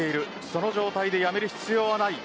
その状態で辞める必要はない。